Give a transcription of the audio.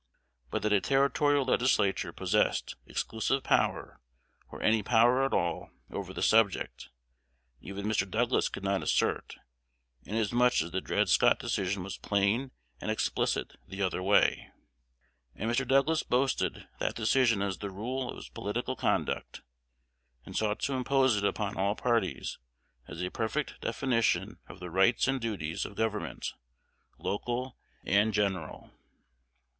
But that a Territorial Legislature possessed exclusive power, or any power at all, over the subject, even Mr Douglas could not assert, inasmuch as the Dred Scott Decision was plain and explicit the other way; and Mr. Douglas boasted that decision as the rule of his political conduct, and sought to impose it upon all parties as a perfect definition of the rights and duties of government, local and general.